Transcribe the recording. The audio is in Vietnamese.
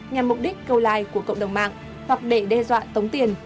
nhằm mục đích câu like của cộng đồng mạng hoặc để đe dọa tống tiền